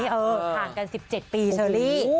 ห่างกัน๑๗ปีเชอรี่